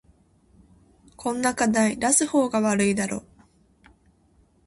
こんな課題出す方が悪いだろ